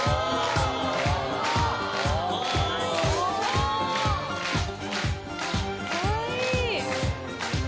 あ！かわいい！